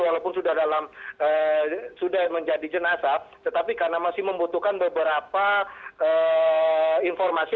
walaupun sudah dalam sudah menjadi jenazah tetapi karena masih membutuhkan beberapa informasi